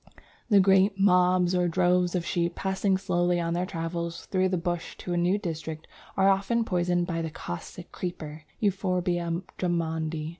The great "mobs" or droves of sheep passing slowly on their travels through the bush to a new district are often poisoned by the Caustic Creeper (Euphorbia Drummondi).